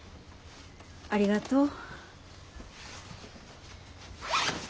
ありがとう。